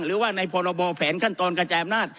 หรือว่าในพรบแผนขั้นตอนกระจายอำนาจ